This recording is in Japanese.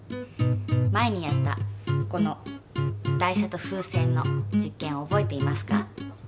前にやったこの台車と風船の実験を覚えていますか？